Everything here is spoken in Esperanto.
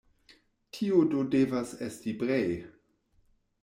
Tio do devas esti Brej.